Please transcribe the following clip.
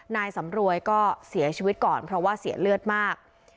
นายสำรวยก็เสียชีวิตก่อนเพราะว่าเสียเลือดมาก